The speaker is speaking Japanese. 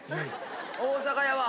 大阪やわ。